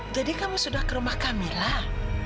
jadi kamu sudah ke rumah kamilah